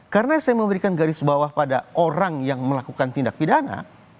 karena saya memberikan garis bawah pada orang yang melakukan tindak pidana